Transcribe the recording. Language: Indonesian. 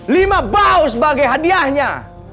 lima bau sebagai hadiahnya